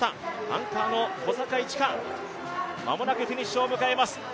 アンカーの小坂井智絵、間もなくフィニッシュを迎えます。